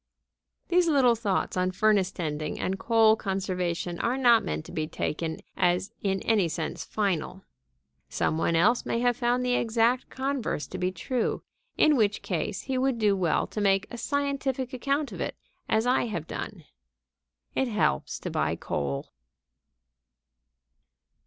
These little thoughts on furnace tending and coal conservation are not meant to be taken as in any sense final. Some one else may have found the exact converse to be true; in which case he would do well to make a scientific account of it as I have done. It helps to buy coal.